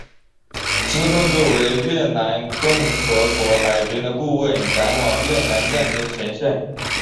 之后作为越南共和国海军的顾问赶往越南战争前线。